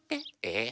え？